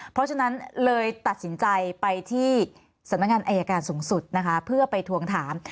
เพราะฉะนั้นเลยตัดสินใจไปที่สำนักงานอายการสูงสุดนะคะเพื่อไปทวงถาม